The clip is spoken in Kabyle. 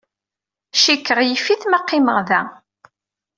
Cikkeɣ yif-it ma qqimeɣ da.